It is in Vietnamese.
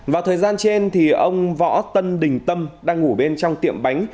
vào thời gian trên thì ông võ tân đình tâm đang ngủ bên trong tiệm bánh